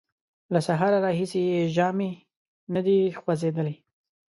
له سهاره راهیسې یې ژامې نه دې خوځېدلې!